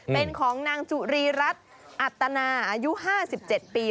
เป็นของนางจุรีรัฐอัตนาอายุ๕๗ปี